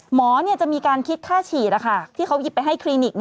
หมอจะมีการคิดค่าฉีดที่เขาหยิบไปให้คลินิก